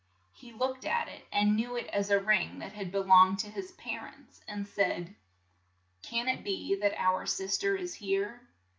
He looked at it, and knew it as a ring that had be longed to his par ents, and said, "Can it be that our sis ter is here